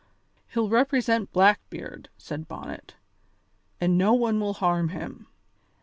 "He'll represent Blackbeard," said Bonnet, "and no one will harm him.